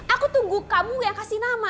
aku tunggu kamu gak kasih nama